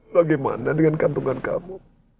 bagaimana dengan kantungan kamu